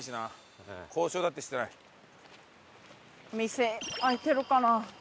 店開いてるかな？